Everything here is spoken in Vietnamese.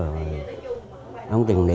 không tiền đi